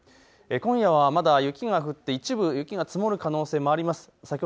今夜はまだ雪が降って積もる可能性もあります。